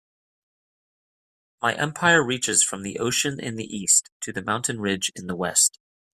My empire reaches from the ocean in the East to the mountain ridge in the West.